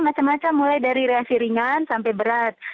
macam macam mulai dari reaksi ringan sampai berat